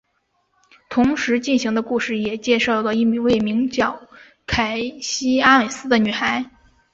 同时进行的故事也介绍的一位名叫凯西阿美斯的女孩。